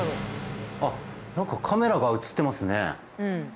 何かカメラが映ってますね。